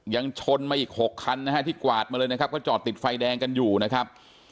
ยังชนมาอีก๖คันนะฮะที่กวาดมาเลยนะครับก็จอดติดไฟแดงกันอยู่นะครับ